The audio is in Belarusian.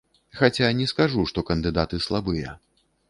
Хаця не скажу, што кандыдаты слабыя.